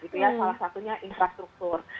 salah satunya infrastruktur